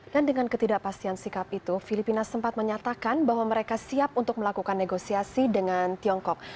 dan dengan ketidakpastian sikap itu filipina sempat menyatakan bahwa mereka siap untuk melakukan negosiasi dengan tiongkok